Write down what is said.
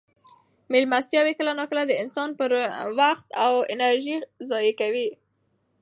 مېلمستیاوې کله ناکله د انسان ډېر وخت او انرژي ضایع کوي.